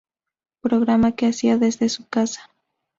Programa que hacía desde su casa.